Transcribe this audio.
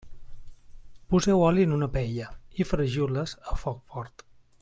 Poseu oli en una paella i fregiu-les a foc fort.